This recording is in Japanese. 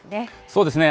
そうですね。